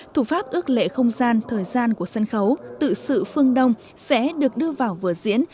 thủ pháp ước lệ không gian thời gian của sân khấu tự sự phương đông sẽ được đưa vào vừa diễn